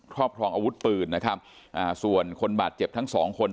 พร้อมพร้อมอาวุธปืนส่วนคนบาดเจ็บทั้งสองคน